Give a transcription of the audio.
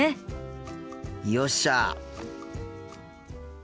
よっしゃ！